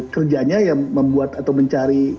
kerjanya yang membuat atau mencari